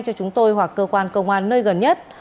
cho chúng tôi hoặc cơ quan công an nơi gần nhất